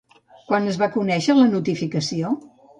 Quan es va conèixer la notificació?